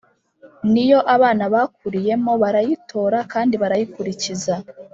ni yo abana bakuriyemo, barayitora, kandi barayikurikiza.